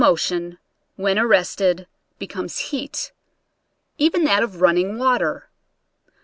* 3 rested, becomes heat, even that of running water.